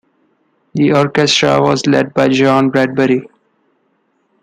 The orchestra was led by John Bradbury.